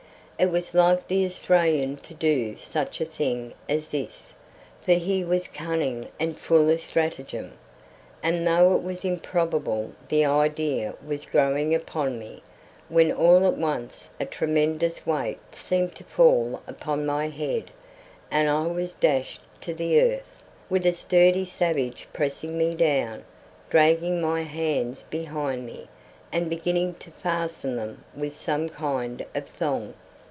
It was like the Australian to do such a thing as this, for he was cunning and full of stratagem, and though it was improbable the idea was growing upon me, when all at once a tremendous weight seemed to fall upon my head and I was dashed to the earth, with a sturdy savage pressing me down, dragging my hands behind me, and beginning to fasten them with some kind of thong.